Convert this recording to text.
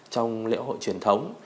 trong lễ hội truyền thống